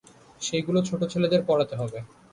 সেইগুলি ছোট ছেলেদের পড়াতে হবে।